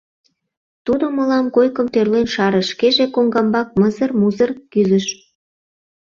Тудо мылам койкым тӧрлен шарыш, шкеже коҥгамбак мызыр-музыр кӱзыш.